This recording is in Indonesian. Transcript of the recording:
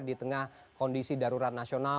di tengah kondisi darurat nasional